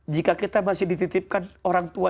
jika kita masih dititipkan orang tua